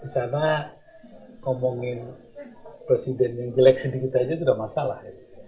di sana ngomongin presiden yang jelek sedikit aja sudah masalah